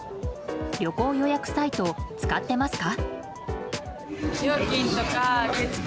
旅行予約サイト、使ってますか？